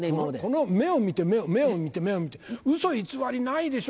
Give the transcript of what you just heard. この目を見て目を見てウソ偽りないでしょ？